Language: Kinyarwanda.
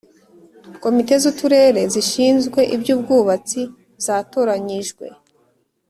komite zuturere zishinzwe ibyubwubatsi zatoranyijwe